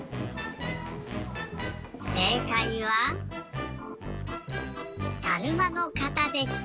せいかいはだるまの型でした。